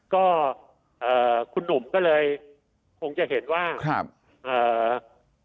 ก็เอ่อคุณหนุ่มก็เลยคงจะเห็นว่าครับเอ่อ